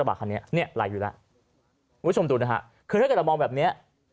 ลักษณีย์ฟิสิกซ์เนี่ยตามแรงน้มถวงโลกเนี่ย